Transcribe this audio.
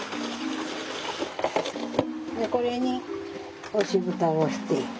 これに押し蓋をして。